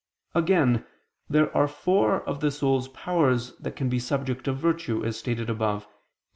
Again, there are four of the soul's powers that can be subject of virtue, as stated above (Q.